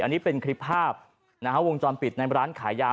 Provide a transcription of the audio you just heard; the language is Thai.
อันนี้เป็นคลิปภาพนะฮะวงจรปิดในร้านขายยา